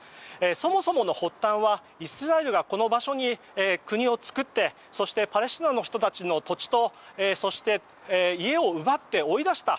そもそもの発端はイスラエルがこの場所に国を作ってそしてパレスチナの人たちの土地と家を奪って追い出した。